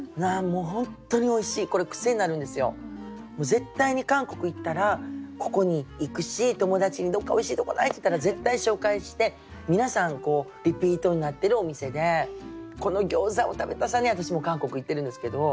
絶対に韓国行ったらここに行くし友達に「どっかおいしいとこない？」って言ったら絶対紹介して皆さんリピートになってるお店でこの餃子を食べたさに私も韓国行ってるんですけど。